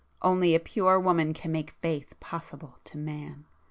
Only a pure woman can make faith possible to man.